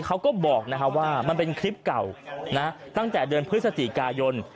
เขาก็บอกว่ามันเป็นคลิปเก่าตั้งแต่เดือนพฤศจิกายน